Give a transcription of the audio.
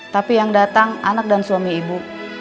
tapi yang datang anak dan suami ibu